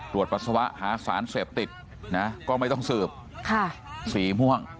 ปัสสาวะหาสารเสพติดนะก็ไม่ต้องสืบสีม่วง